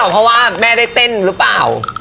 ไม่เหรอเพราะว่าเมอ้ได้เต้นหรือเปล่า